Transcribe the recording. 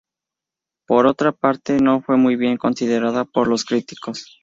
Por otra parte, no fue muy bien considerado por los críticos.